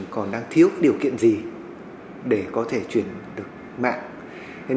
còn đang thiếu điều kiện gì để có thể chuyển được mạng